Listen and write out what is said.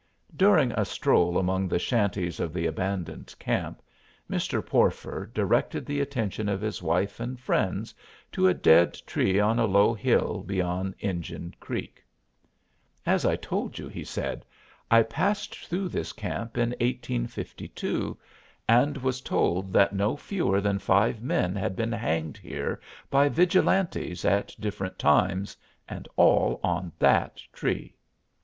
During a stroll among the shanties of the abandoned camp Mr. Porfer directed the attention of his wife and friends to a dead tree on a low hill beyond Injun Creek. "As I told you," he said, "I passed through this camp in 1852, and was told that no fewer than five men had been hanged here by vigilantes at different times, and all on that tree.